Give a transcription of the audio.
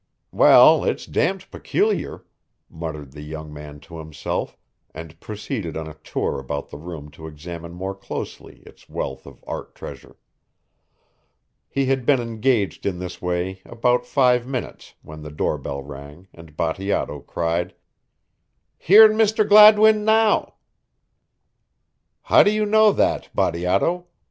"Well, it's damned peculiar!" muttered the young man to himself, and proceeded on a tour about the room to examine more closely its wealth of art treasure. He had been engaged in this way about five minutes when the door bell rang and Bateato cried: "Here Mr. Gladwin now." "How do you know that Bateato?"